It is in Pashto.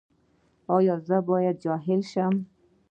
ایا زه باید جاهل شم؟